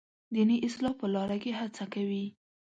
دیني اصلاح په لاره کې هڅه کوي.